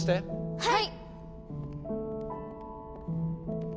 はい！